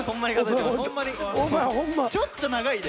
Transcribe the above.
ちょっと長いで。